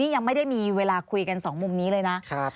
ยังไม่ได้มีเวลาคุยกัน๒มุมนี้เลยนะ